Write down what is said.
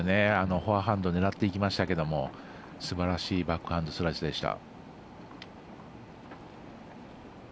フォアハンド狙っていきましたけどすばらしいバックハンドスライスでした。